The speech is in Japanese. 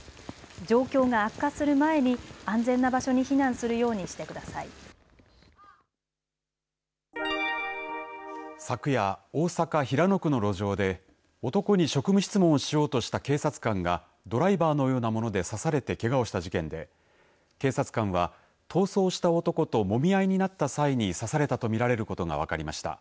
状況が悪化する前に安全な場所に昨夜、大阪・平野区の路上で男に職務質問をしようとした警察官がドライバーのようなもので刺されて、けがをした事件で警察官は逃走した男ともみ合いになった際に刺されたと見られることが分かりました。